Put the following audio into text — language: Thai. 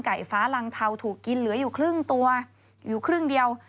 ฟ้ารังเทาถูกกินเหลืออยู่ครึ่งตัวอยู่ครึ่งเดียว